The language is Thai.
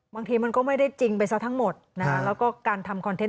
บางทีมันก็ไม่ได้จริงไปซะทั้งหมดนะฮะแล้วก็การทำคอนเทนต